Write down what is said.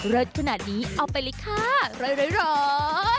เลิศขนาดนี้เอาไปเลยค่ะร้อยร้อยร้อย